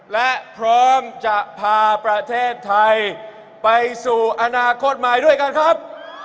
และพร้อมจะพาประเทศไทยไปสู่อนาคตใหม่ด้วยกันครับ